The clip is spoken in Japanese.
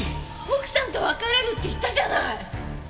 奥さんと別れるって言ったじゃない！